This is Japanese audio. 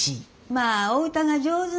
まあお歌が上手ねえ。